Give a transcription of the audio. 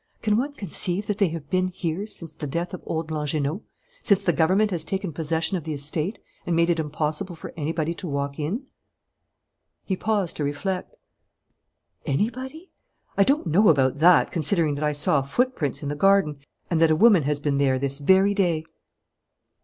Can one conceive that they have been here since the death of old Langernault, since the government has taken possession of the estate and made it impossible for anybody to walk in?" He paused to reflect. "Anybody? I don't know about that, considering that I saw footprints in the garden, and that a woman has been there this very day!"